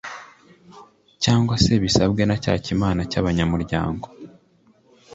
cyanga se bisabwe na cya kimina cy abanyamuryango